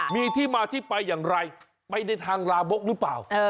มีที่มาที่ไปอย่างไรไปในทางลาบกหรือเปล่า